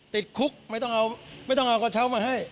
ติดคุกไม่ต้องเอาก่อเช้ามาให้